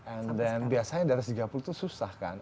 and then biasanya di atas tiga puluh itu susah kan